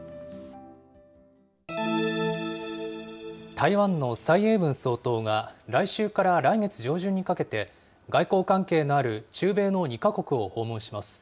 台湾の蔡英文総統が、来週から来月上旬にかけて外交関係のある中米の２か国を訪問します。